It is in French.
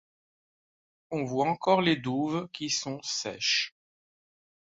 On voit encore les douves, qui sont sèches.